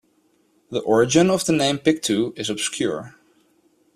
The origin of the name "Pictou" is obscure.